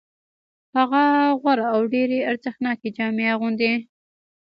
هغه غوره او ډېرې ارزښتناکې جامې اغوندي